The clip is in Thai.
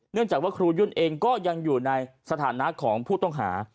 จากว่าครูยุ่นเองก็ยังอยู่ในสถานะของผู้ต้องหา